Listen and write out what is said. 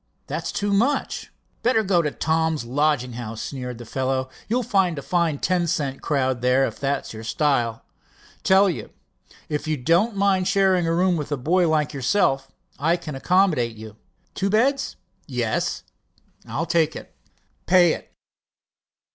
"That's too much." "Better go to Tom's Lodging House," sneered the fellow. "You'll find a fine ten cent crowd there, if that's your style. Tell you, if you don't mind sharing a room with a boy like yourself I can accommodate you." "Two beds?" "Yes." "I'll take it." "Pay it."